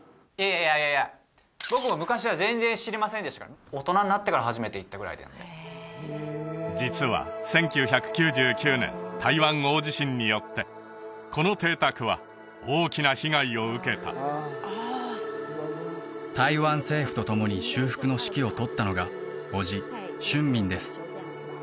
いやいや僕も昔は全然知りませんでしたから大人になってから初めて行ったぐらいなんで実は１９９９年台湾大地震によってこの邸宅は大きな被害を受けた台湾政府と共に修復の指揮を執ったのが叔父俊明です